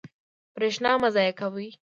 برښنا مه ضایع کوئ